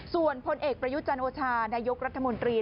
ส่วนพลเอกประยุจันโอชานายกรัฐมนตรี